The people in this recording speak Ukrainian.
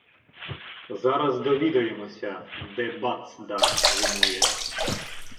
Зараз довідаємося, де бацда зимує".